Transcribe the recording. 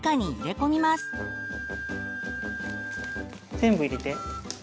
全部入れて。